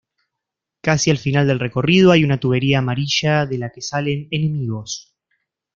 Casi al final del recorrido hay una tubería amarilla de la que salen enemigos.